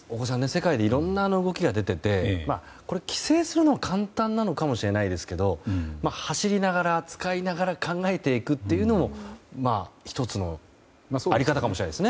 世界でいろんな動きが出ていてこれを規制するのは簡単なのかもしれないですけど走りながら、使いながら考えていくというのも１つの在り方かもしれないです。